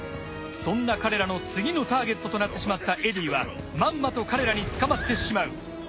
そんな彼らの次のターゲットとなってしまったエディはまんまと彼らに捕まってしまう。